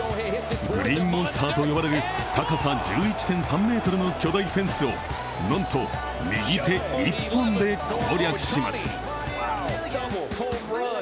グリーンモンスターと呼ばれる高さ１１．３ｍの巨大フェンスを、なんと右手一本で攻略します。